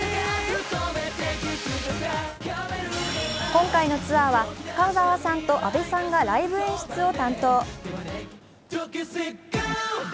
今回のツアーは深澤さんと阿部さんがライブ演出を担当。